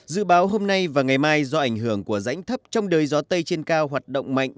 dự báo hôm nay và ngày mai do ảnh hưởng của rãnh thấp trong đời gió tây trên cao hoạt động mạnh